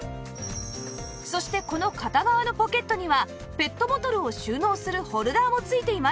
そしてこの片側のポケットにはペットボトルを収納するホルダーも付いています